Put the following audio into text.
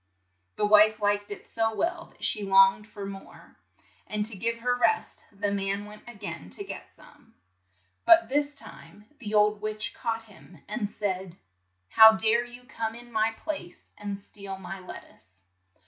The wife liked it so well that she longed for more, and to give her rest the man went a gain to get some. But this time the old witch caught him, and said, "How dare you come in my RAPUNZEL 51 place and steal my lettuce?'